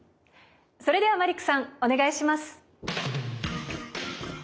それではマリックさんお願いします。